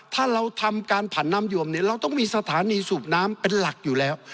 ถ้าเราทำการผันน้ำยวมเนี่ยเราต้องมีสถานีสูบน้ำเป็นหลักอยู่แล้ว